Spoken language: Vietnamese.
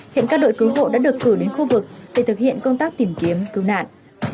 hiện các đội cứu hộ đã được cử đến khu vực để thực hiện công tác tìm kiếm cứu nạn